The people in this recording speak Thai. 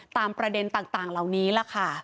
ประเด็นต่างเหล่านี้ล่ะค่ะ